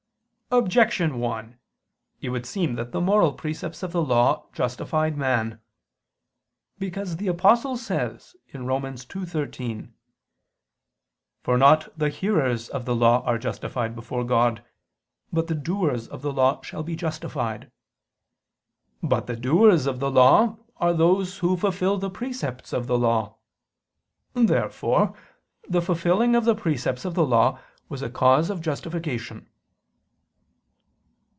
Objection 1: It would seem that the moral precepts of the Old Law justified man. Because the Apostle says (Rom. 2:13): "For not the hearers of the Law are justified before God, but the doers of the Law shall be justified." But the doers of the Law are those who fulfil the precepts of the Law. Therefore the fulfilling of the precepts of the Law was a cause of justification.